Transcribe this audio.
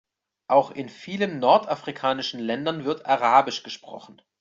Auch in vielen nordafrikanischen Ländern wird arabisch gesprochen.